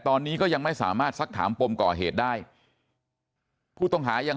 ตอนนี้ก็ยังไม่สามารถสักถามปมก่อเหตุได้ผู้ต้องหายัง